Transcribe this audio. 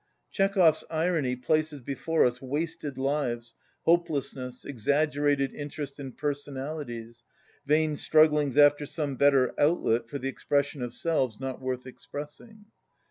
Chekhov's irony places before us wasted lives, hopelessness, exaggerated interest in personalities, vain strugglings after some better outlet for the expression of selves not worth ex pressing.